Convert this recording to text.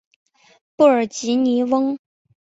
布尔吉尼翁。